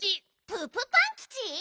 ププパンキチ？